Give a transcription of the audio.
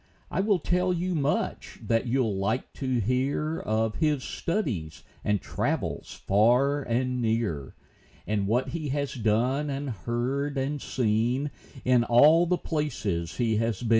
I will tell you much that you'll like to hear Of his studies and travels far and near, And what he has done, and heard, and seen, In all the places he has been.